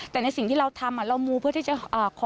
แต่ในสิ่งที่เราทำเรามูเพื่อที่จะขอ